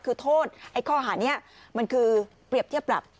คือโทษไอ้ข้อหานี้มันคือเปรียบเทียบปรับ